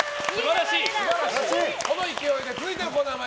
この勢いで続いてのコーナー